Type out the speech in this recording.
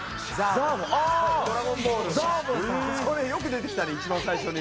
それよく出てきたね一番最初に。